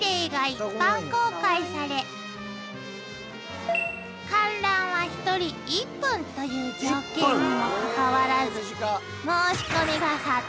「一般公開され」「観覧は１人１分という」「条件にもかかわらず」